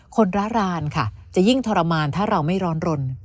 ร้ารานค่ะจะยิ่งทรมานถ้าเราไม่ร้อนรน